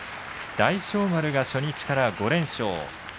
大翔丸が初日から５連勝。